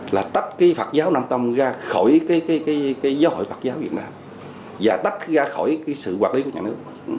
là tách cái phật giáo nam tông ra khỏi giáo hội phật giáo việt nam và tách ra khỏi sự quản lý của nhà nước